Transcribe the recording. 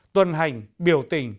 tuần hành biểu tình